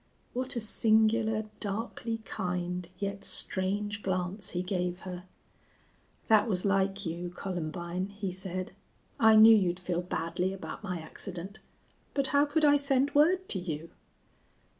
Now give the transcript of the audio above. What a singular, darkly kind, yet strange glance he gave her! "That was like you, Columbine," he said. "I knew you'd feel badly about my accident. But how could I send word to you?"